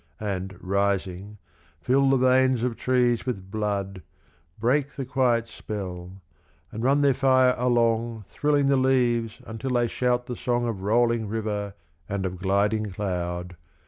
And rising, fill the veins of trees with blood. Break the quiet spell, and run their fire along Thrilling the leaves until they shout the song Of rolling river and of gliding cloud.